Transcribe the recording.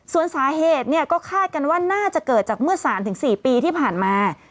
ส่วนสาเหตุก็คาดกันว่าน่าจะเกิดจากเมื่อ๓๔ปีที่ผ่านมา